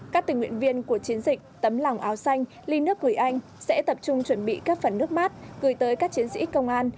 các tình nguyện viên của chiến dịch tấm lòng áo xanh ly nước gửi anh sẽ tập trung chuẩn bị các phần nước mát gửi tới các chiến sĩ công an